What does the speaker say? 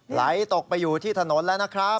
ไหลตกไปอยู่ที่ถนนแล้วนะครับ